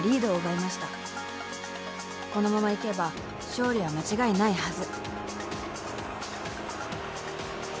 ［このままいけば勝利は間違いないはず］